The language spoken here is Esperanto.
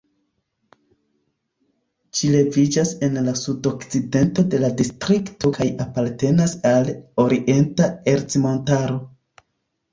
Ĝi leviĝas en la sudokcidento de la distrikto kaj apartenas al Orienta Ercmontaro.